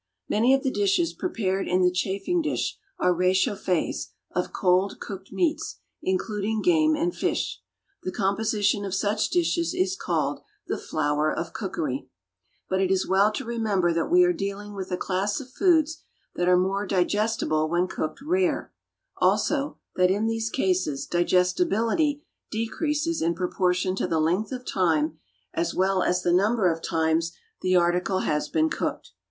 = Many of the dishes prepared in the chafing dish are réchauffés of cold cooked meats, including game and fish. The composition of such dishes is called "the flower of cookery": but it is well to remember that we are dealing with a class of foods that are more digestible when cooked rare; also, that in these cases digestibility decreases in proportion to the length of time, as well as the number of times, the article has been cooked.